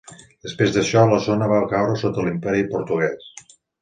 Després d'això, la zona va caure sota l'Imperi portuguès.